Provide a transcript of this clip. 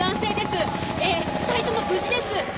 ２人も無事です！